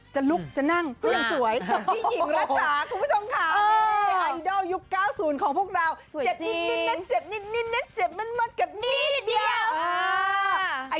จะลุกจะนั่งก็ยังสวย